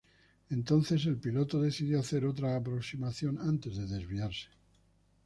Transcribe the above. Entonces, el piloto decidió hacer otra aproximación antes de desviarse.